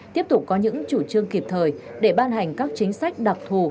tiếp tục có những chủ trương kịp thời để ban hành các chính sách đặc thù